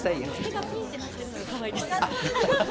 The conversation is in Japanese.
手がピンってなってるのがかわいいです。